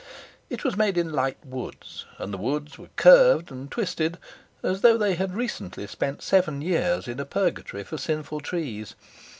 It was made in light woods, and the woods were curved and twisted as though they had recently spent seven years in a purgatory for sinful trees.